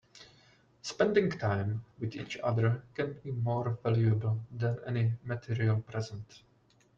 Spending time with each other can be more valuable than any material present.